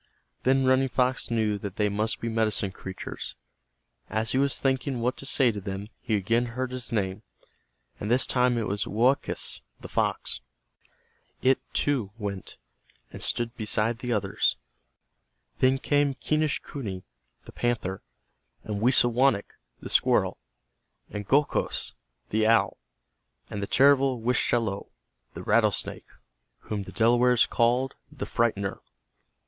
Then Running Fox knew that they must be medicine creatures. As he was thinking what to say to them, he again heard his name, and this time it was Woakus, the fox. It, too, went and stood beside the others. Then came Quenischquney, the panther, and Wisawanik, the squirrel, and Gokhos, the owl, and the terrible Wischalowe, the rattlesnake, whom the Delawares called "The Frightener."